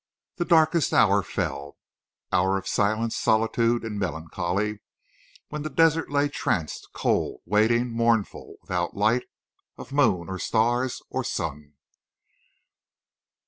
The darkest hour fell—hour of silence, solitude, and melancholy, when the desert lay tranced, cold, waiting, mournful without light of moon or stars or sun.